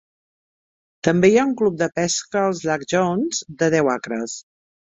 També hi ha un club de pesca als llacs Jones de deu acres.